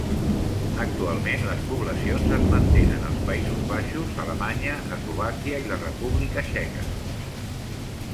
Actualment les poblacions es mantenen als Països Baixos, Alemanya, Eslovàquia i la República Txeca.